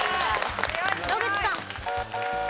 野口さん。